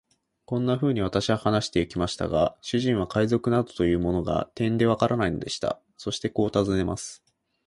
こんなふうに私は話してゆきましたが、主人は海賊などというものが、てんでわからないのでした。そしてこう尋ねます。